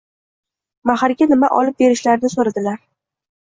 Mahrga nima olib berishlarini soʻradilar.